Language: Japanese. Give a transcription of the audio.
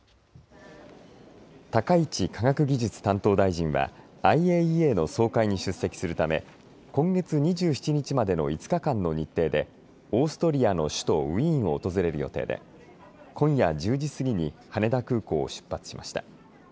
高市科学技術担当大臣はＩＡＥＡの総会に出席するため今月２７日までの５日間の日程でオーストリアの首都ウィーンを訪れる予定で今夜１０時過ぎに羽田空港を出発しました。